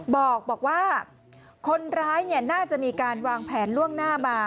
บอกว่าคนร้ายน่าจะมีการวางแผนล่วงหน้ามา